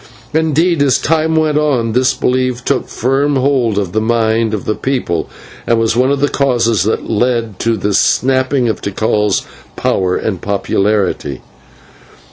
Indeed, as time went on, this belief took firm hold of the mind of the people, and was one of the causes that led to the sapping of Tikal's power and popularity.